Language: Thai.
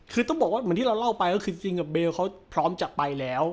คือต้องบอกว่าเหมือนที่เราเล่าไปก็คือจริงกับเบลเขาพร้อมจะไปแล้ว